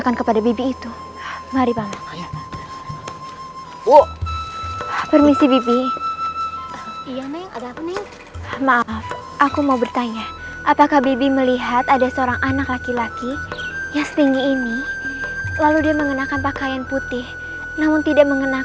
sampai jumpa di video selanjutnya